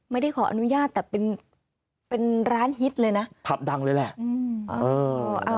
ไม่ได้ขออนุญาตแต่เป็นเป็นร้านฮิตเลยนะผับดังเลยแหละ